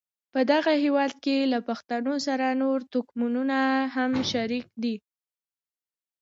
په دغه هېواد کې له پښتنو سره نور توکمونه هم شریک دي.